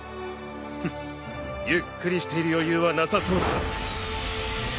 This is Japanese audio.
フッゆっくりしている余裕はなさそうだな。